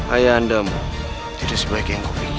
ayah anda mau jadi sebaik yang kupikir